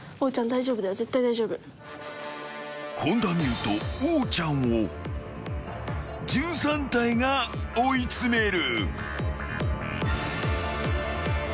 ［本田望結とおーちゃんを１３体が追い詰める］